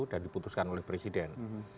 dan diputuskan oleh presiden